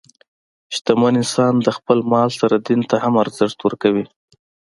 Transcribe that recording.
شتمن انسان د خپل مال سره دین ته هم ارزښت ورکوي.